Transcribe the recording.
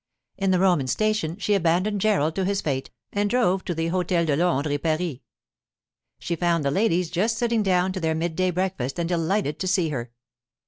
In the Roman station she abandoned Gerald to his fate, and drove to the Hôtel de Londres et Paris. She found the ladies just sitting down to their midday breakfast and delighted to see her.